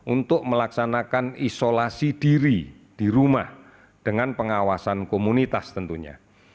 untuk melaksanakan isolasi diri di rumah dengan pengawasan komunitas tentunya